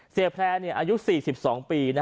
เสียแพร่อายุ๔๒ปี